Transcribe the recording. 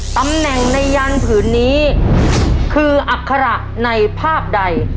ตำแหน่งในยันผืนนี้คืออัคระในภาพใด